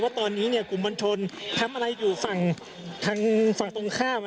ว่าตอนนี้กลุ่มวันชนทำอะไรอยู่ฝั่งตรงข้ามนะครับ